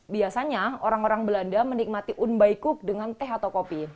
biasanya orang orang belanda menikmati un baikub dengan teh atau kopi